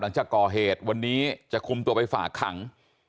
หลังจากก่อเหตุวันนี้จะคุมตัวไปฝากขัง